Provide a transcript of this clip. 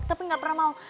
tapi gak pernah mau